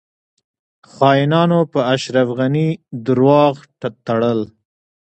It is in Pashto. خاینانو په اشرف غنی درواغ تړل